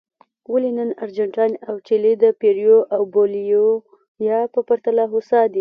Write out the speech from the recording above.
ولې نن ارجنټاین او چیلي د پیرو او بولیویا په پرتله هوسا دي.